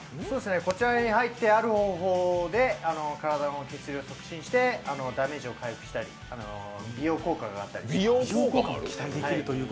こちらに入ってある方法で体の血流を促進してダメージを回復したり、美容効果があったりします。